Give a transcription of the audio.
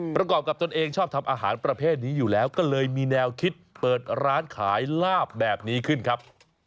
ประกอบกับตนเองชอบทำอาหารประเภทนี้อยู่แล้วก็เลยมีแนวคิดเปิดร้านขายลาบแบบนี้ขึ้นครับ